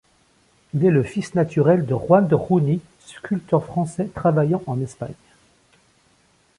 Il est le fils naturel de Juan de Juni, sculpteur français travaillant en Espagne.